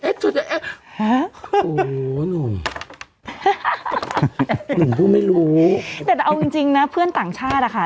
โอ้โหหนุ่มก็ไม่รู้แต่เอาจริงจริงนะเพื่อนต่างชาติอ่ะค่ะ